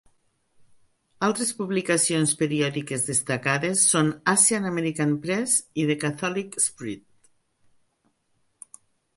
Altres publicacions periòdiques destacades són "Asian American Press" i "The Catholic Spirit".